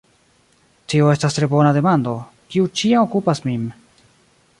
Tio estas tre bona demando, kiu ĉiam okupas min.